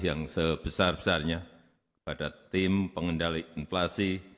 yang sebesar besarnya kepada tim pengendali inflasi